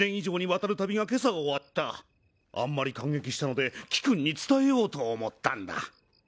あんまり感激したので貴君に伝えようと思ったんだ。